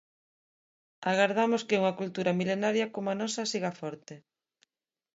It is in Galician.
Agardamos que unha cultura milenaria como a nosa siga forte.